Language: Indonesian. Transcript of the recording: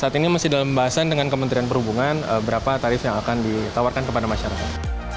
saat ini masih dalam pembahasan dengan kementerian perhubungan berapa tarif yang akan ditawarkan kepada masyarakat